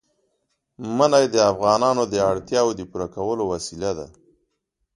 منی د افغانانو د اړتیاوو د پوره کولو وسیله ده.